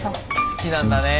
好きなんだね。